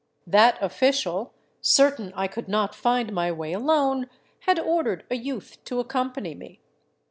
That official, certain I could not find my way alone, had ordered a youth to accompany me.